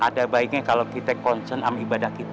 ada baiknya kalau kita concern sama ibadah kita